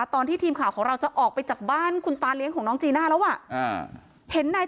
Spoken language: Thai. ตอนที่ทีมข่าวของเราจะออกไปจากบ้านคุณตาเลี้ยงของน้องจีน่าแล้วอ่ะเห็นนาย